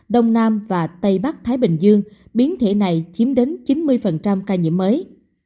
đông nam và tây bắc thái bình dương biến thể này chiếm đến chín mươi ca nhiễm mới